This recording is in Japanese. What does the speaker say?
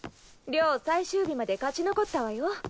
亮最終日まで勝ち残ったわよ。